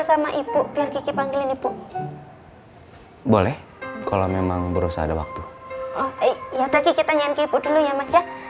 sama ibu berguna ini tuh boleh kalau memang berusaha edo waktu iya tapi kita nyanyi dulu ya mas ya